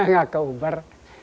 gak ke uber